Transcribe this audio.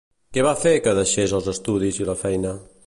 Què va fer que deixés els estudis i la feina?